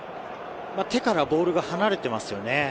手からボールが離れていますよね。